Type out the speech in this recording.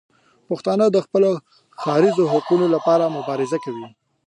پښتانه د خپلو ښاریزو حقونو لپاره مبارزه کوي.